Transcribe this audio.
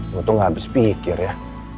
gue tuh gak habis pikir ya